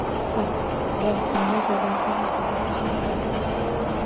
Atrofimda dadasi haqida faxr bor.